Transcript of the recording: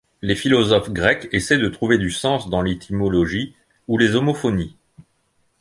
Les philosophes grecs essaient de trouver du sens dans l'étymologie ou les homophonies.